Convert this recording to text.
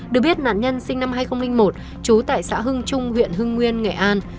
được biết nạn nhân sinh năm hai nghìn một trú tại xã hưng trung huyện hưng nguyên nghệ an